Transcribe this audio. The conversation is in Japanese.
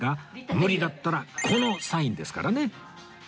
無理だったらこのサインですからね